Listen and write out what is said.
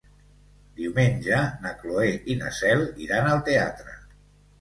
Diumenge na Cloè i na Cel iran al teatre.